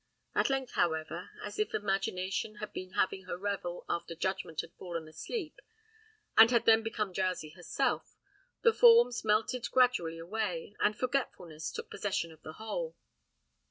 At length, however, as if imagination had been having her revel after judgment had fallen asleep, and had then become drowsy herself, the forms melted gradually away, and forgetfulness took possession of the whole.